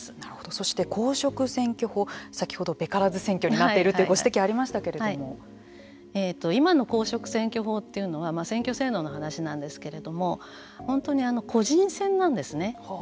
そして公職選挙法先ほど、べからず選挙になっているという今の公職選挙法というのは選挙制度の話なんですけれども本当に個人戦なんですね。